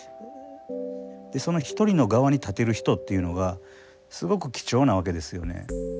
その１人の側に立てる人っていうのがすごく貴重なわけですよね。